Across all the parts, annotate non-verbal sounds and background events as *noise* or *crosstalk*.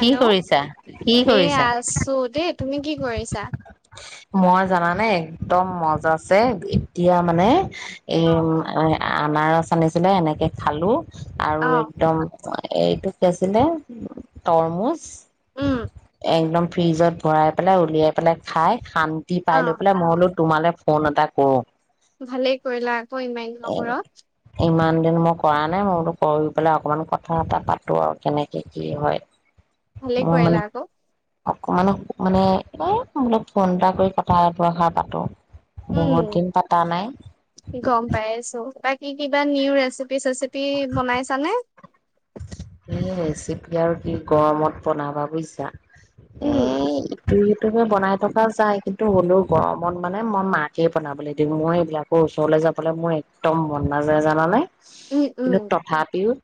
কি কৰিছা? কি এ কৰিছা? আছুদপ তুমি কি কৰিছা মই জানানে একদম মজা আছে এতিয়া মানে এ অ', আনাৰস আনিছিলে এনেকৈ খালোঁ আৰু অ', একদম এইটো কি আছিলে তৰমুজ উম, একদম ফ্ৰিজত ভৰাই পেলাই উলিয়াই পেলাই খাই শান্তি পাই লৈ অ', পেলাই মই হ'লো তোমালে ফোন এটা কৰো ভালেই কৰিলা আকৌ ইমান এ নহুৰ ইমান মই কৰা নাই মইতো কৰি পেলাই অকনমান কথা এটা পাতো আৰু কেনেকে কি হয় ভালে মোৰ কয়লা মানে আকৌ অকমান মানে এ মল ফোন এটা কৰি কথা এটোষাৰ পাতো উম, বহুত দিন পতা নাই কি কিবা নিউ ৰেচিপি চেচিপি বনাইছানে এই ৰেচিপি আৰু কি গৰমত বনাবা বুজিছা উম, এ ইটো সিটো বনাই থকা যায় কিন্তু টো হ'লো গৰমত মানে মই মাকে বনাবলৈ দিম মই এইবিলাকৰ ওচৰলৈ যাবলৈ মোৰ একদম মন নাযায় জানানে উম, উম, কিন্তু তথাপিও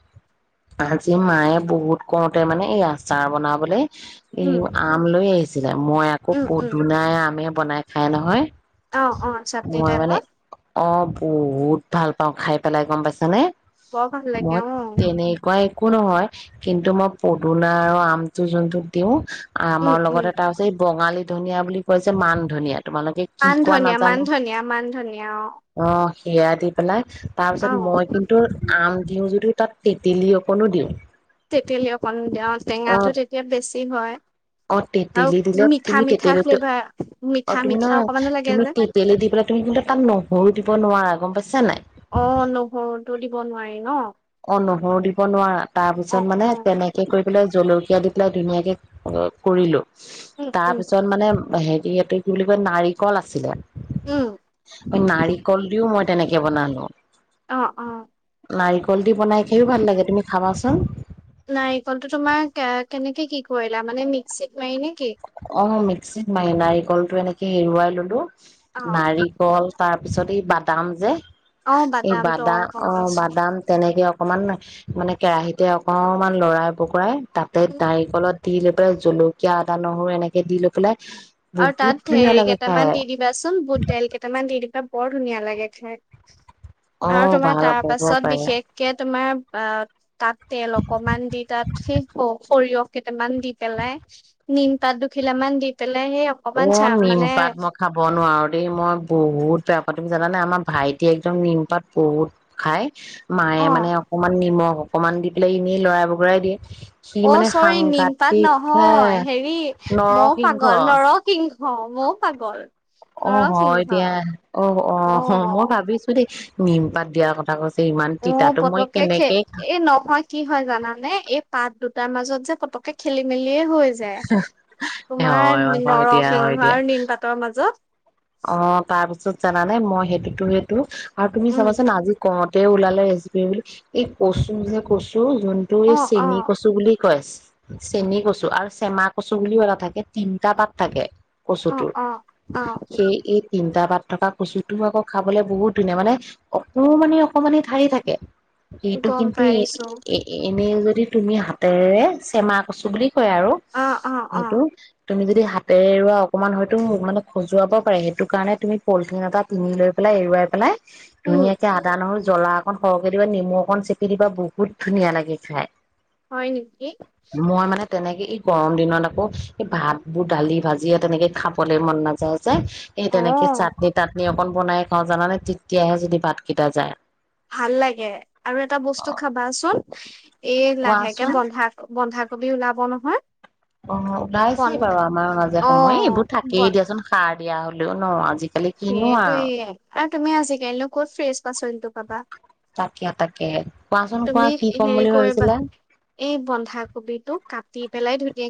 আজি মায়ে বহুত কওঁতে মানে এই আচাৰ বনাবলৈ এই উম, আমল আহ মই আকৌ উম, উম, পদুনাই আমে বনাই খাই নহয় অ' অ' চাটনি মই মানে টাইপৰ অ' বহুত ভাল পাওঁ খাই পেলাই গম পাইছ নে বৰ ভাল লাগে মই অ', তেনে, নো একো নহয় কিন্তু মই পদুনা আৰু আমটো যোনটো দিওঁ উম, আমাৰ উম, লগতে তটাছে এই বঙালী, ধনীয়া বুলি কৈছে মান ধনিয়াত মান ধনিয়া মান ধনিয় মান ধনিয় অ' সেয়া দি পেলাই, তাৰ পিছত অ', মই কিন্তু আম উ যদি তাত তেলি অকণো দিওঁ তেতেলি অকণ দিয় অ টেঙাটো তেতিয়া বেছি হয় অ' আৰু তেতেলী দিলে মিঠা তুমি মিঠা তেতেলীতো ফ্লেভাৰ অ মিঠা তুমি ন মিঠা অকমানো লাগে তুমি যে তেতেলি দি পেলাই তুমি কিন্তু তাত নহৰু দিব নোৱাৰা গম পাইছা নাই অ নহৰুটো দিব নোৱাৰি ন অ নহৰু দিব নোৱাৰা তাৰ পিছত মানে অ তেনেকে কৰি পেলাই জলক এয়াত এতিয়া ধুনীয়া কে কৰিলোঁ উম উম তাৰপিছত মানে হেৰি ত কি বুলি কয় নাৰিকল আছিলে উম নাৰিকল দিও মই তেনেকে বনালো অ অ নাৰিক কল দি বনাই খাইও ভাল লাগে তুমি খাবাচোন চ নাৰিকলটো তোমাৰ কেনেকে কি কৰিলা মানে মিক্সিত মাৰি নে কি অ' মিক্সিত মি নাৰিকলটো এনেকে এৰুৱাই ললো অ নাৰিকল তাৰ তাৰপিছত সি বাদাম যে অ এই বাদামটো বাদাম গম অ পাইছো বাদাম তেনেকে অকমান মানে কেৰাহিতে অকমান লৰাই বকৰাই তাতে উম, নাৰিকলত তি জলকীয়া আদা নহৰু অ' এনেকে দি লৈ পেলাই আৰু বহুত তাত ধুনীয়া হেৰি লাগে খাই কেইটামান দি দিবাচোন বুট দাইল কেইটামান দি দিবা। বৰ ধুনীয়া লাগে খ অ আৰু তোমাৰ ভাল তাৰ পাব পাছত পাৰে বিশেষকে তোমাৰ বা তাত তেল অকমান দি তাত শেষ হ সৰিয়হ কেই ামান দি পেলাই নিম পাত দুখিলা মান দি পেল অ নিমপাত মই খাব নোৱাৰো দেই মই বহুত বে স জানানে আমাৰ ভাইটিয়ে একদম নিমপাত বহুত খায়। মাৰে অ মানে অকমান নিমখ। অকনমান দি পেলাই এনেই লৰাই বগৰাই দিয়ে সি অ মানে চৰি নিমপাত সাংঘাতিক হে নহয় হেৰি ময়ো নৰসিংহ পাগল নৰক কিংহ মোৰ পাগল। অ হয় নৰসিংহ দিয়া অ আহ মই ভাবিছো দেই মিম পাত দিয়াৰ কথা কৈছে ইমান উ তিতাতো মই পতককে খে কেনেকে এই নহয়। কি হয় জানে এই পাত দুটাৰ মাজত যে পতকে খেলি মেলি স হৈ যায় হয়, তোমাৰ হয়, হয় দিয়া হয় নৰসিংহ দিয়া আৰু নিম পাতৰ মাজত অ তাৰপিছত জানানে মই সেইটোতো সটো আৰু তুমি উম চাবাচোন আজি কত লাল এছ ক ক টো যোনটো অ এই অ চেনি কচু বুলি কয়। কয় চেনি কচু আৰু চেমা কচু বুলিও এটা থাকে তিনটা পাত থাকে। অ কচুটোৰ অ অ সেই এই তিনিটা পাত থকা কচুটোও আকৌ খাবলৈ বহুত ধুনীয়া মানে অকণমানি অকমানি ঠাৰি থাকে এইটো গম কিন্তু এই পাইছো এ এনেই যদি তুমি হাতেৰে চেমা কছো বুলি, হয় আৰু অ অ অ সিটো তুমি যদি হাতেৰে এৰুৱা অকমান হয়তো মানে খোজ। যাব পাৰে সেইটো কাৰণে তুমি পলিথিন এটা পিঙি লৈ পেলাই এৰুৱাই পেলাই, উম ধুনীয়াকে আদা নহয় জ্বলা অকন সৰহকে দিবা নেমু অকণ চেপি দিবা বহুত ধুনীয়া লাগে খাই। হয় নেকি? মই মানে তেনেকে এই গৰম দিনত আকৌ এই ভাত বোৰ দালি ভাজি তেনেকে খাবলে মন নাযায় এই অ তেনেকে চাটনি তাটনি, অকন বনাই খাওঁ জানানে তেতিয়াহে যদি ভাতকেইটা যায়, ভাল লাগে আৰু এটা বস্তু খাবাচোন, উ এই লাহেকে কোৱাচোন বন্ধা বন্ধাকবি ওলাব নহয় অ ওলাইছেই বাৰু আমাৰ বন্ধা অ ব বিয়া হ'লেও ন আজি সেইটো তুমি আজিকালিনো ক'ত ফ্ৰেচ পাচলিটো পাবা তাকিয় তাকে, কোৱাচোন কোৱা তুমি কি ক'ম হেৰি বুলি কৰিবা ভাবিছিলা এই বন্ধাকবিটো কাটি পেলাই ধুৰি এ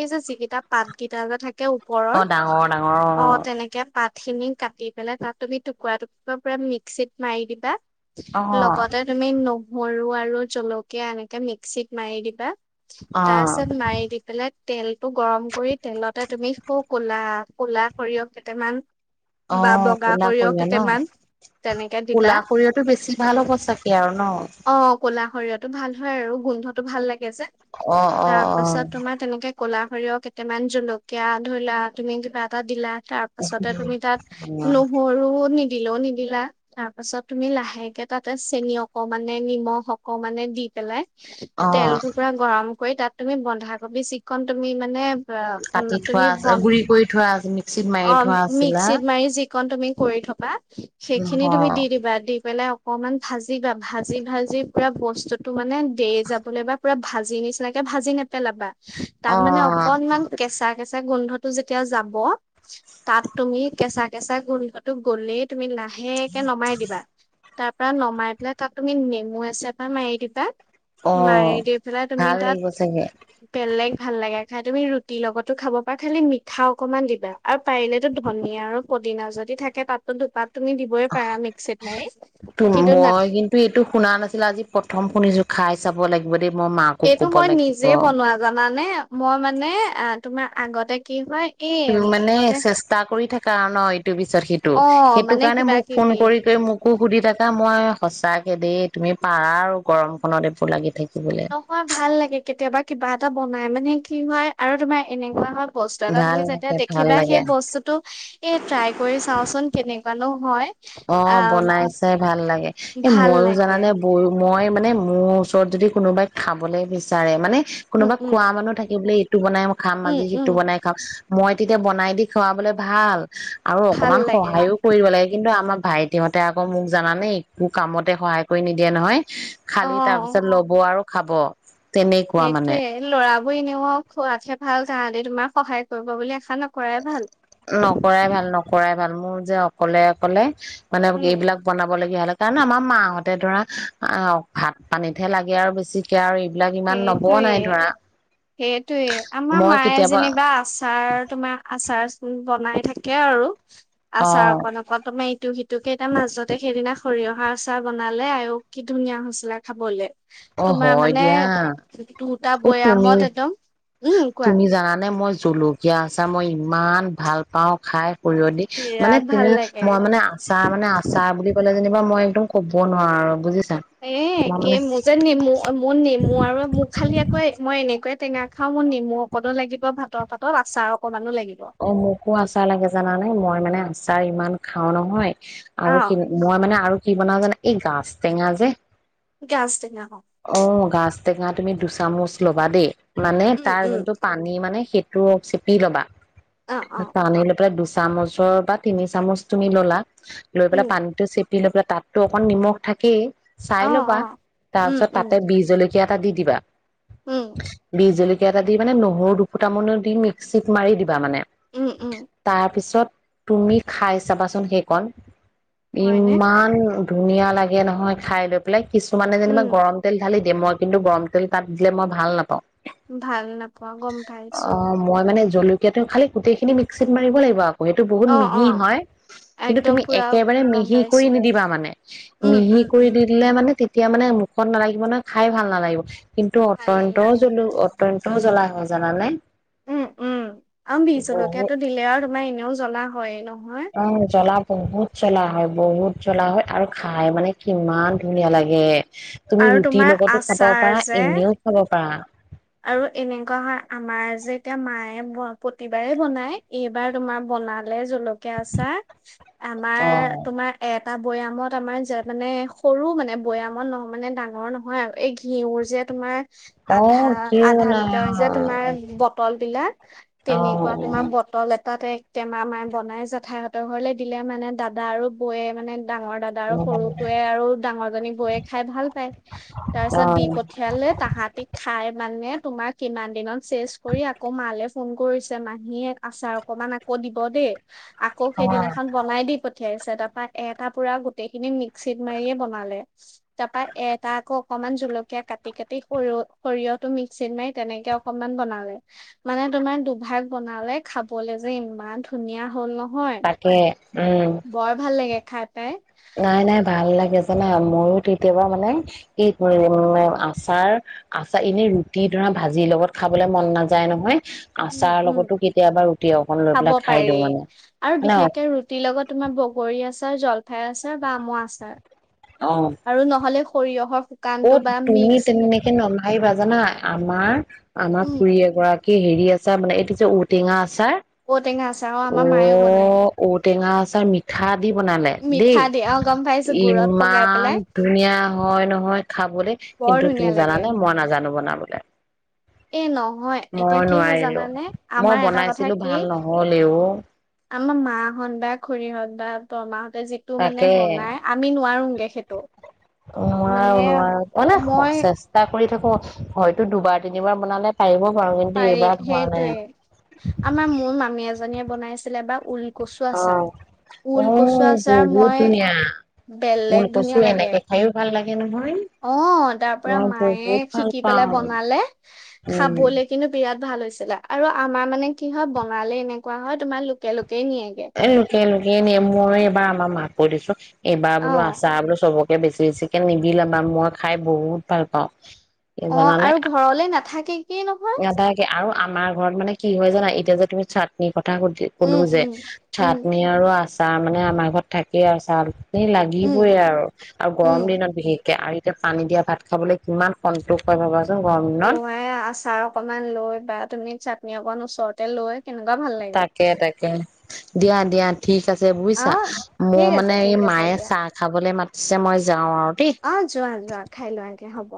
এই যে যিকেইটা পাত কেইটা যে থাকে। ওপৰৰ অ ডাঙৰ ডাঙৰ অ' তেনেকে পাত খিনি কাটি পেলাই তাত তুমি টুকুৰা টুকুৰা পুৰা মিক্সিত মাৰি দিবা অ লগতে তুমি নো! সৰু আৰু জলকীয়া এনেকে মিক্সিত মাৰি দিবা অ তাৰছত মাৰ দি পেলাক তেলটো গৰম কৰি তেলতে তুমি সু কলা কলা সৰিয়হ কেইটামান বা অ' বগা কোলা সৰিয়হ সৰিয় কেইটামান ন তেনেকে দিবা। কোলা সৰিয়টো বেছি ভাল হ'ব চাগে আৰু ন অ' কলা শৰিয়হটো ভাল হয় আৰু গোন্ধটো ভাল লাগে আছে অ তাৰ পাছত তোমাৰ তেনেকে ক'লা সৰিয়হ কেইটামান জলকীয়া ধৰিলা তুমি কিবা এটা দিলা তাৰ পাছতে তুমি তাত অ নহৰু নি দিলেও নিদিলা তাৰ পাছত তুমি লাহেকে তাতে চেনি অকণ অকমানে নিমখ অকমানে দি পেলাই অ তেলটো পুৰা গৰম কৰি তাত তুমি বন্ধাকবি চিকন তুমি মানে উম কাটি তুমি থোৱাছে বন গুৰি কৰি থোৱা আ অ মিক্সিত মাৰি যিকণ তুমি কৰি থবা সেইখিনি অ তুমি দি দিবা দি পেলাই অকনমান ভাজিবা ভাজি ভাজি পুৰা বস্তুটো মানে দেই যাবলৈ বা, পুৰা ভাজি নিচিনাকে ভাজি নেপেলাবা, তাত অ মানে অকনমান কেঁচা কেঁচা গোন্ধটো যেতিয়া যাব তাত তুমি কেঁচা কেঁচা গোন্ধটো গ'লেই তুমি লাহ সেকে নমাই দিবা তাৰ পৰা নমাই পেলাই তাত তুমি নেমু এছেপা মাৰি দিবা অ মাৰি দি পেলাই তুমি ভাল তাত লাগিব চাগে বেলেগ ভাল লাগে খাই তুমি ৰুটিৰ লগতো খাব পাৰা খালি মিঠা অকনমান দিবা আৰু পাৰিলেতো ধনিয় আৰু পদিনা যদি থাকে তাতো ধোপাত। তু কিন্তু না মই কিন্তু এইটো শুনা নাছিলো আজি প্ৰথম শুনিছো খাই চাব লাগিব দে এইটো মই নিজে বনোৱা জানানে মই মানে আহ তোমাৰ আগতে কি হয় এই মানে আগতে চেষ্টা কৰি থাকা ন ইটোৰ পিছত সিটো অ সেইটো মানে কাৰণে কিবা মোক ফোন কিবি কৰি কৰি মোকো সুধি থাকা মই সঁচাকে দেই তুমি পাৰা আৰু গৰমখনত এইবোৰ লাগি থাকি নহয় ভাল লাগে কেতিয়াবা কিবা এটা বনাই মানে কি হয় আৰু তোমাৰ এনেকুৱা হক বস্তু এটা ভাল তুমি যেতিয়া লাগে ভাল দেখিবা লাগে সেই বস্তুতটো এই ট্ৰাই কৰি চাওচোন কেনেকুৱানো হয় অ আহ বনাই চাই ভাল লাগে এ ভাল মইয়ো লাগে জানানে বৰ মই মানে মোৰ ওচৰত যদি কোনোবাই খাবলে বিচাৰে মানে উম কোনোবা উম খোৱা মানুহ থাকিবলৈ। সটো বনাই খাম উম, আজি উম, সিটো বনাই খাম। মই তেতিয়া বনাই দি খুৱাবলে ভাল আৰু ভাল অকমান লাগে। সহায়ও কৰিব লাগে আমাৰ ভাই তহঁতে আকৌ মোক জানে একো কামতে সহায় কৰি নিদিয়ে নহয়। খালি তাৰ পিছত ল'ব আৰু খাব তেনেকুৱা মানে এইটোৱে ল'ৰা নিওঁ আে ভাল গাহতে তোমাক সহায় কৰিব বুলি আহিলো নকৰাই ভাল নকৰাই ভাল ম যে অকলে অকলে মানে উম, এইবিলাক বনাব লগগীয়া হ'লে কাৰণ আমাৰ মাহঁত তাতে ধৰা ভাত আ পানীতহে লাগে আৰু বেছিকে আৰু এই সেইটয়ে সেইটোয়ে আমাৰ মই মায়ে কেতিয়াবা যেনিবা আচাৰ তোমাৰ আচাৰ বনাই থাকে আৰু অ আছা অকন অকন তুমি স সিটোক কেইটাৰ মাজতে সেইদিনা সৰিয়হা আচাৰ বনালে আও কি ধুনীয়া হৈছিলে খাবলৈ অ হয় দিয়া দুটা অ তুমি বৈয়ামত একদম উম কোৱা তুমি জানানে মই জলকীয়া আ মই ইমান ভাল পাওঁ খাই কৰিব দি মানে বিৰাট ভাল তুমি লাগে। মই মানে আচাৰ মানে আচাৰ বুলি ক'লে যেনিবা মই একদম ক'ব নোৱাৰো বুজিছ এ একে মোৰ যে নেমু মোৰ নেমু আৰু মোৰ খালি আকৌ মই এনেকুৱাই টেঙা খাও মোৰ নিমু অকনো লাগিব ভাতৰ পাতত আচাৰ অকনমানো লাগিব অ মোকো আচাৰ লাগে জানা নে মই মানে আচাৰ ইমান খাওঁ নহয় আৰু আহ স মই মানে আৰু কি বনাও জানা এই গাছ টেঙা যে গাজটৈঙা অ গছ ঔ টেঙা তুমি দুচামুচ ল'বা দেই মানে উম তাৰ উম যোনটো পানী মানে সেই তটো চিপি ল'বা অ অ তানেিল প দুচ চামুচৰ বা তিনি চামুচ তুমি ল'লা লৈ পেলাই উম পানীতটো চেপ দি লৈ পেলাই তাততো অকণ নিমখ থাকেই চাই অ ল পা অ তাৰ উম পিছত উম তাতে বজলৈ এটা দি দিবা উম বিজেল টা দি মানে নহৰু দুফুটামানো দি মিক্সিত মাৰি দিবা মানে উম উম তাৰপিছত তুমি খাই চাবাচোন সেইকণ ই হয়নে মান ধুনীয়া লাগে নহয় খাই লৈ পেলাই কিছুমানে যেনিবা উম তেল ঢালি দিয়ে মই কিন্তু গৰম তেল তাত দিলে মই ভাল নাপাওঁ। ভাল নাপোৱা গম পাইছো। জলকীয়াাতটো খালি গোটেইখিনি মিক্সিত মাৰিব লাগিব আ সেইটো বহুত অ অ মিহি হয় কিন্তু একদম তুমি পুৰা একেবাৰে গম মিহি কৰি পাইছো নিদিবা মানে উম মিহি উম কৰি উম দি‌দিলে মানে তেতিয়া মানে সখত নালাগিব নহয় খাই ভাল নালাগিব কিন্তু ভাল অতন্ত নালাগে জ নটোও জ্বলা হয় জানানে। উম উম আৰু বি বহুত জলকীয়াাতটো দিলে আৰু তোমাৰ এনেও জ্বলা হয় ন'। উম জলাপ বহুত জ্বলা হয় বহুত জ্বলা হয় আৰু খাই মানে কিমান ধুনীয়া লাগে তুমি আৰু ৰুটিৰ তোমাৰ লগতো খাব আচাৰ পাৰা যে এনেও খাব পাৰা। আৰু এনেকুৱা হয় আমাৰ যে এতিয়া মায়ে প্ৰতিবাৰে বনায় এইবাৰ তোমাৰ বনালে জলক থিকে আছা আমাৰ অ', তোমাৰ এপ তটা বৈয়ামত আমাৰ যে মানে সৰু মানে বৈয়ামত নহ মানে ডাঙৰ নহয় আৰু এই ঘিউুৰ যে তোমাৰ অ আধা কিয় আধা নাই লিটাৰ যে তোমাৰ বটল বিলাক অ', তেনেকুৱা তোমাৰ অ'। বটল এ তাতে এক টেমা মাই বনাই জেঠাইহঁতৰ ঘৰলে দিলে মানে দাদা আৰু বৌয়ে মানে, ডাঙৰ দাদা আৰু সৰুটোৱে আৰু ডাঙৰ জনীক বৈয়ে খাই ভাল পায় তাৰ পিছত দি অ', পঠিয়ালে তাহাতিক খাই, মানে তোমাৰ কিমান দিনত, চেচ কৰি আকৌ মালে ফোন কৰিছে মাহীয়েক আচাৰ অকমান আকৌ দিব দেই, আকৌ অ', সেইদিনাখন বনাই দি প পঠিয়াইছে তাৰপা এটা পুৰা গোটেই খিনি মিক্সিত মাৰিয়ে বনালে তাৰ পৰা এটা আকৌ অকনমান জলকীয়া কাটি কাটি সৰিয় সৰিয়ত, মিক্সিত মাৰি তেনেকে অকনমান বনালে মানে তোমাৰ দুভাগ বনালে খাবলে যে ইমান ধুনীয়া হ'ল নহ তাকে উম, লাগে খাই পাই, নাই নাই ভাল লাগে জানা মইয়ো কেতিয়াবা মানে এই আচাৰ আচাৰ এনে ৰুটি ধৰা ভাজিৰ লগত খাবলৈ মন নাযায় নহয়। উ আচাৰ উম লগতো কেতিয়াবা ৰুটি অকন লৈ খাব পেলাই খাই পাৰি দিওঁ মানে। আৰু ন বিশেষকে ৰুটিৰ লগত তোমাৰ বগৰী আচাৰ জল ঠাইৰ আছে বা আম আচাৰ অ'। আৰু নহ'লে, সৰিয়হৰ, অ শুকানটো বা তুমি মিক্স তেনেকে নাভাবিবা জানা আমাৰ আমাৰ উম, খোৰী এগৰাকী হেৰি আছে মানে এইটো যে ঔটেঙা। ছাৰ ঔটেঙা আচাৰ অ' ঔ আমাৰ মায়েও বনায়। ঔ টেঙা। তাৰ পিছত মিঠা। আ বনালে দেই মিঠা দিয়ে অ' গম পাইছো গুড়ত পগাই ইমান পেলাই ধুনীয়া হয় নহয়। বুলি বৰ কিন্তু তুমি ধুনীয়া জানে লাগে। মই নাজানো। জানো বনাবলৈ। এ নহয় এতিয়া কি হয় নোৱাৰিলো জানানে মই আমাৰ এটা কথা বনাইছিলো কি ভাল নহ'লে অ' আমাৰ মাহত বা খুৰীহত বা তমাক যিটো মানে তাকে বনাই আমি নোৱাৰোগে সেইটো নোৱাৰো মানে নোৱাৰো মানে মই চেষ্টা কৰি থাকো হয়তো দুবাৰ তিনিবাৰ বনালে পাৰিব পাৰো কিন্তু পাৰি এইবাৰ হোৱা নাই সেইটোৱে আমাৰ মোৰ মামী এজনীয়ে বনাইছিলে বা উৰি অ আহ আচাৰ বহুত মই ধুনীয়া বেলেগ উলকচু ধুনীয়া লাগে এনেকে খাইও ভাল লাগে নহয়। অ তাৰ পৰা মই মায়ে বহুত ভাল শিকি পেলাই পাওঁ বনালে উম, খাবলৈ কিন্তু বিৰাট ভাল হৈছিলে আৰু আমাৰ মানে কি হয় বঙালী এনেকুৱা হয় তোমাৰ লোকেল এ লোকে লোকে নেমুৱে এইবাৰ আমাৰ মাত কৈ দিছো এইবাৰ অ বোলো আছা বোলো চবক বেছি বেছিকে নিবিলাবা মই খাই বহুত ভাল পাওঁ। অ আৰু ঘৰলে নাথাকেই এটাইকে তাকে আৰু আমাৰ ঘৰত মানে কি হয় জানা এতিয়া যে তুমি চাটনি কথা সুধি উম কলো যে উম উম চাটনি আৰু আছে। চাহ মানে আমাৰ ঘৰত থাকেই আৰু চাল এ উম লাগিবই আৰু আৰু উম গৰম দিনত বিশেষকে। এতিয়া পানী দিয়া ভাত খাবলৈ কিমান সন্তোষ হয় ভাবা তো গৰম অ ন। আই আচাৰ অকমান লৈ বা তুমি চাটনি অকন ওচৰতে লৈ কেনেকুৱা ভাল লাগে তাকে তাকে দিয়া *unintelligible* ঠিক আছে অ বুজিছা মোৰ ঠিক আছে মানে এই ঠিক আছে মায়ে দিয়া চাহ খাবলৈ মাতিছে মই যাওঁ আৰু দেই। অ', যোৱা যোৱা খাই লোৱাগে হ'ব।